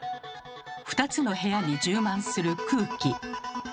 ２つの部屋に充満する空気。